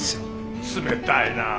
冷たいなぁ。